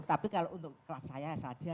tapi kalau untuk kelas saya saja